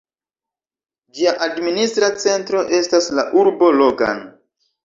Ĝia administra centro estas la urbo Logan.